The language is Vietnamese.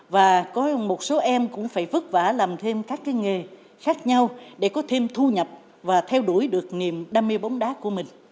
và có một số em cũng phải vất vả làm thêm các nghề khác nhau để có thêm thu nhập và theo đuổi được niềm đam mê bóng đá của mình